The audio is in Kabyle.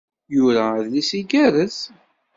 Yura-d adlis igerrez.